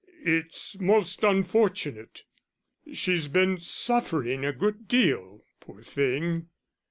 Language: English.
"It's most unfortunate. She's been suffering a good deal, poor thing."